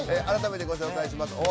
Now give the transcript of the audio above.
改めてご紹介します。